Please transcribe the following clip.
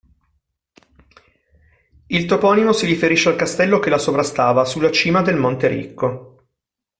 Il toponimo si riferisce al castello che la sovrastava, sulla cima del monte Ricco.